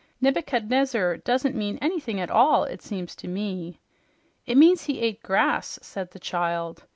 Nebuchadnezzar doesn't mean anything at all, it seems to me." "It means he ate grass," said the child.